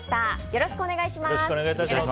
よろしくお願いします。